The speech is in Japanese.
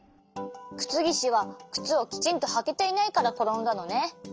クツギシはくつをきちんとはけていないからころんだのね。